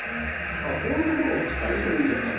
あこういう所を切っちゃってもいいんじゃない？